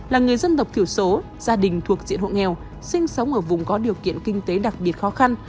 là người dân tộc thiểu số gia đình thuộc diện hộ nghèo sinh sống ở vùng có điều kiện kinh tế đặc biệt khó khăn